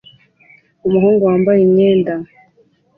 Umuhungu wambaye imyenda